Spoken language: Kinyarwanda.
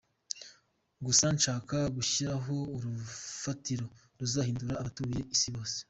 Gusa nshaka gushyiraho urufatiro ruzahindura abatuye Isi bose.